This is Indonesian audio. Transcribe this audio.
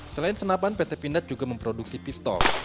selain senapan pt pindad juga memproduksi pistol